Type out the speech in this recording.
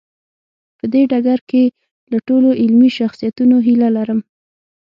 په دې ډګر کې له ټولو علمي شخصیتونو هیله لرم.